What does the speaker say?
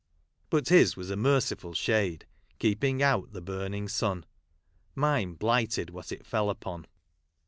But his was a merciful shade, keeping out the burning sun ; mine blighted what it fell upon.